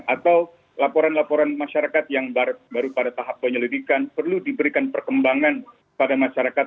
atau laporan laporan masyarakat yang baru pada tahap penyelidikan perlu diberikan perkembangan pada masyarakat